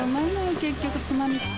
結局つまみって。